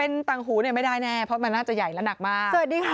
เป็นตังหูไม่ได้แน่เพราะมันน่าจะใหญ่แล้วหนักมาก